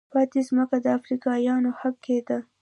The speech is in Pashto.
پاتې ځمکه د افریقایانو حق کېده.